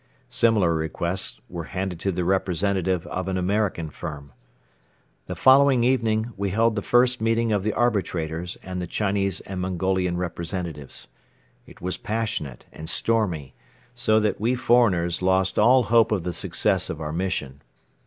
Similar requests were handed to the representative of an American firm. The following evening we held the first meeting of the arbitrators and the Chinese and Mongolian representatives. It was passionate and stormy, so that we foreigners lost all hope of the success of our mission.